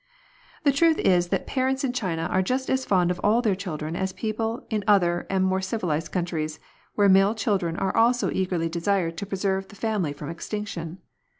The truth is that parents in China are just as fond of all their children as people in other and more civilised countries, where male children are also eagerly desired to preserve the family from extinction.